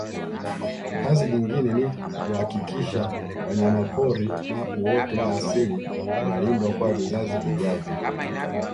kazi nyingine ni kuhakisha wanyamapori na uoto wa asili unalindwa kwa vizazi vijavyo